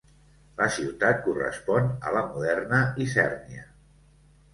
La ciutat correspon a la moderna Isernia.